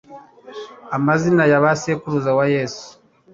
Amazina ya ba sekuruza wa Yesu